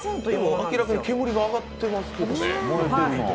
明らかに煙が上がってますけどね。